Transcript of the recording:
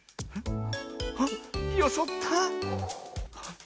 あっよそった。